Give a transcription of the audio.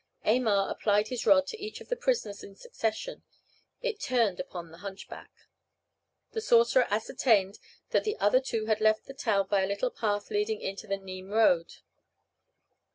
Aymar applied his rod to each of the prisoners in succession: it turned upon the hunchback. The sorcerer ascertained that the other two had left the town by a little path leading into the Nismes road.